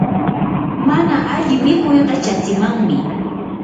mana alli mikuy qichatsimanmi.